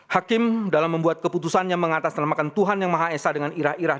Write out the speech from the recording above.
hakim dalam membuat keputusannya mengatasnamakan tuhan yang maha esa dengan irah irah